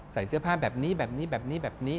เสื้อผ้าแบบนี้แบบนี้แบบนี้แบบนี้